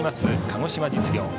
鹿児島実業。